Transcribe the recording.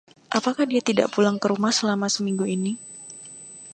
Apakah dia tidak pulang ke rumah selama seminggu ini..?